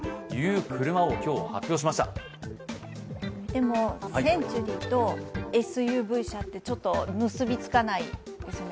でも、センチュリーとＳＵＶ車ってちょっと結びつかないですよね。